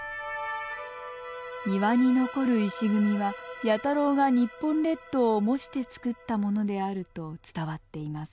庭に残る石組みは弥太郎が日本列島を模して作ったものであると伝わっています。